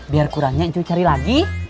biar kurangnya itu cari lagi